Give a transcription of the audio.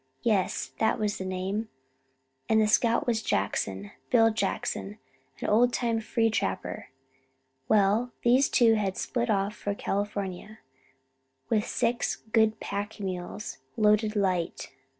Yes, that was the name, and the scout was Jackson Bill Jackson, an old time free trapper. Well, these two had split off for California, with six good pack mules, loaded light.